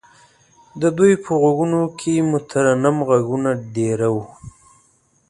د دوی په غوږونو کې مترنم غږونه دېره وو.